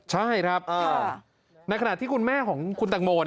ใช่ครับในขณะที่คุณแม่ของคุณตังโม